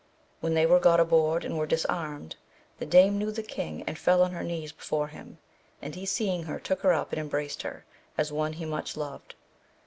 When they were got aboard and were disarmed, the dame knew the king and fell on her knees before him, and he seeing her took her up and embraced her as one he much loved.